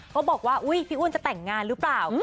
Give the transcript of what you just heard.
เขาบอกว่าพี่อ้วนจะแต่งงานหรือเปล่า